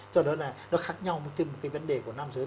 cho nên là nó khác nhau với vấn đề của nam giới